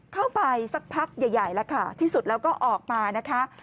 เข้าไปสักพักใหญ่แล้วค่ะที่สุดแล้วก็ออกมานะคะ